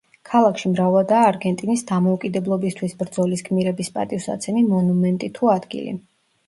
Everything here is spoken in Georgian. ქალაქში მრავლადაა არგენტინის დამოუკიდებლობისთვის ბრძოლის გმირების პატივსაცემი მონუმენტი თუ ადგილი.